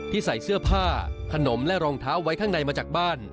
ใส่เสื้อผ้าขนมและรองเท้าไว้ข้างในมาจากบ้าน